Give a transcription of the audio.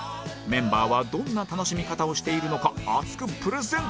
メンバーはどんな楽しみ方をしているのか熱くプレゼン！